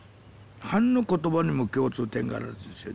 恨の言葉にも共通点があるんですよ。